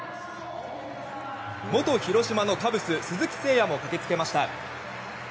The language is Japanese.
元広島のカブス、鈴木誠也も駆けつけました。